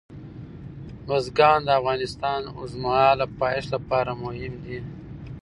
بزګان د افغانستان د اوږدمهاله پایښت لپاره مهم دي.